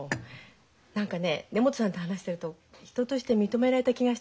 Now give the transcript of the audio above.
何かね根本さんと話してると人として認められた気がしたの。